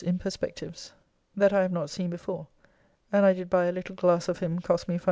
] that I have not seen before, and I did buy a little glass of him cost me 5s.